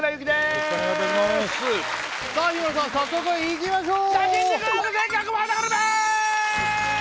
よろしくお願いいたしますさあ日村さん早速いきましょう！